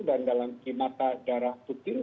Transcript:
dan dalam kemata darah putin